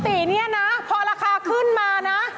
พี่เอดูนี่ปกตินี่นะพอราคาขึ้นมานะ